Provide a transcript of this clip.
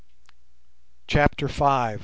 CHAPTER V.